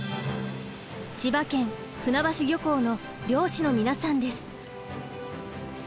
千葉県船橋漁港の漁師の皆さんです。